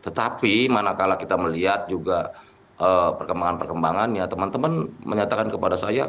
tetapi mana kalah kita melihat juga perkembangan perkembangan ya teman teman menyatakan kepada saya